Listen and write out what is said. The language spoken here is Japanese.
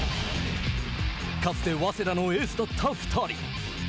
かつて早稲田のエースだった２人。